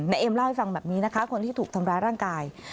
เอ็มเล่าให้ฟังแบบนี้นะคะคนที่ถูกทำร้ายร่างกาย